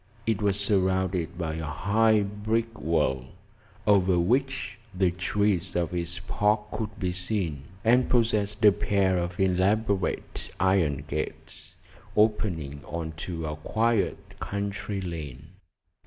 It was surrounded by a high brick wall, over which the trees of its park could be seen, and possessed a pair of elaborate iron gates, opening on to a quiet country lane.